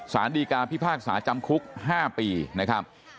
สารดีกาพิพากษาจำคุก๕ปีนะครับ